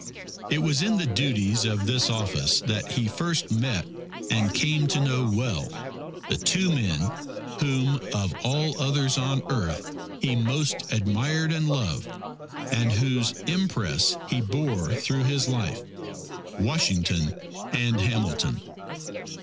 It was in the duties of this office that he first met and came to know well the two men, whom of all others on earth he most admired and loved, and whose impress he bore through his life Washington and Hamilton.